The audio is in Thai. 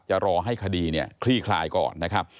รอให้คดีเนี่ยคลี่คลายก่อนนะครับ